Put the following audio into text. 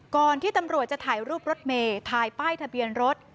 ก่อนที่ตำรวจจะถ่ายรูปรถเมย์ถ่ายป้ายทะเบียนรถ